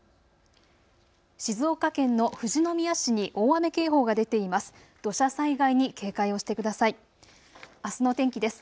静岡県の富士宮市に大雨警報が出ています。